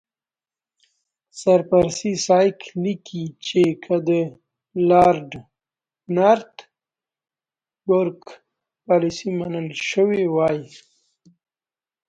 سر پرسي سایکس لیکي چې که د لارډ نارت بروک پالیسي منل شوې وای.